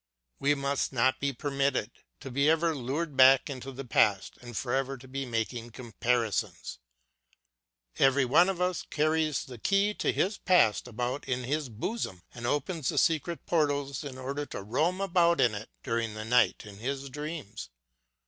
We must not be permitted to be ever lured back into the past and forever to be making comparisons. Every one of us carries the key to his past about in his bosom and opens the secret portals in order to roam about in it during the night in his dreams.